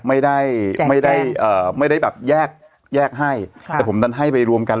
ไม่ได้ไม่ได้เอ่อไม่ได้แบบแยกแยกให้ค่ะแต่ผมดันให้ไปรวมกัน